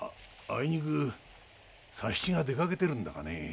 あいにく佐七が出かけてるんだがね